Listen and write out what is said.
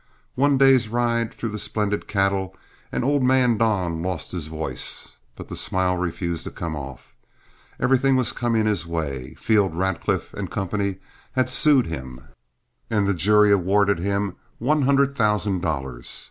One day's ride through the splendid cattle, and old man Don lost his voice, but the smile refused to come off. Everything was coming his way. Field, Radcliff & Co. had sued him, and the jury awarded him one hundred thousand dollars.